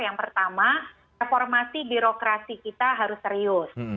yang pertama reformasi birokrasi kita harus serius